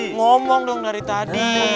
ngomong dong dari tadi